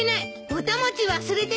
ぼた餅忘れてた。